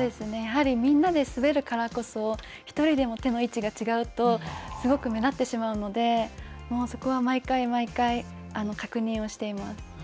やはりみんなで滑るからこそ、１人でも手の位置が違うと、すごく目立ってしまうので、もう、そこは毎回毎回、確認をしています。